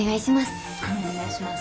お願いします。